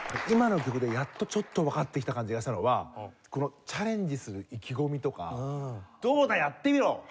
今の曲でやっとちょっとわかってきた感じがしたのはこのチャレンジする意気込みとか「どうだやってみろ！」